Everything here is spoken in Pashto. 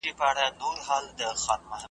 هغه کال وه ناغه سوي بارانونه .